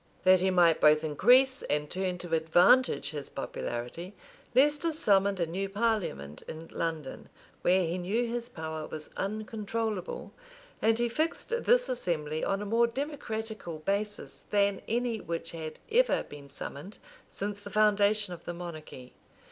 {1265.} That he might both increase and turn to advantage his popularity, Leicester summoned a new parliament in London, where he knew his power was uncontrollable; and he fixed this assembly on a more democratical basis than any which had ever been summoned since the foundation of the monarchy.